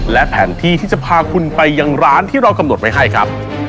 และแผนที่ที่จะพาคุณไปยังร้านที่เรากำหนดไว้ให้ครับ